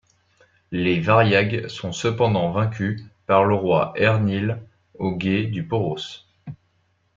Les Variags sont cependant vaincus par le roi Eärnil aux gués du Poros.